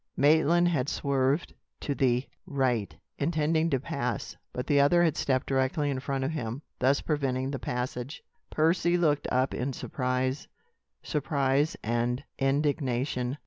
Maitland had swerved to the right, intending to pass; but the other had stepped directly in front of him, thus preventing the passage. Percy looked up in surprise surprise and indignation.